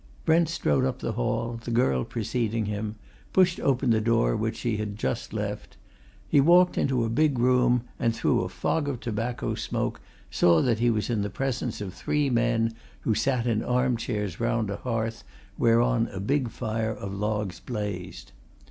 Brent strode up the hall, the girl, preceding him, pushed open the door which she had just left. He walked into a big room and, through a fog of tobacco smoke, saw that he was in the presence of three men, who sat in arm chairs round a hearth whereon a big fire of logs blazed.